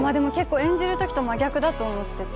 演じるときと真逆だと思っていて。